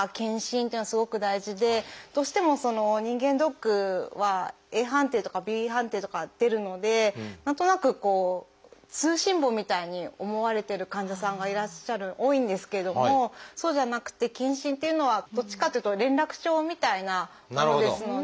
どうしても人間ドックはＡ判定とかＢ判定とか出るので何となくこう通信簿みたいに思われてる患者さんがいらっしゃる多いんですけれどもそうじゃなくて健診っていうのはどっちかっていうと連絡帳みたいなものですので。